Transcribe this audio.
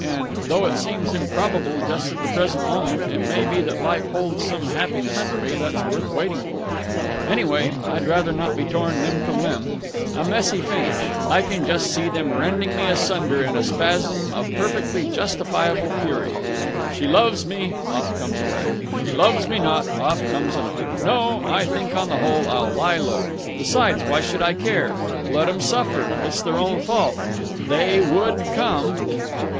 And, though it seems improbable just at the present moment, it may be that life holds some happiness for me that's worth waiting for. Anyway, I'd rather not be torn limb from limb. A messy finish! I can just see them rending me asunder in a spasm of perfectly justifiable fury. 'She loves me!' Off comes a leg. 'She loves me not!' Off comes an arm. No, I think on the whole I'll lie low. Besides, why should I care? Let 'em suffer. It's their own fault. They would come!"